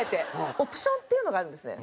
オプションっていうのがあるんですね。